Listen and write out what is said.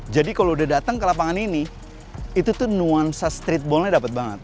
jadi kalau udah datang ke lapangan ini itu tuh nuansa streetballnya dapet banget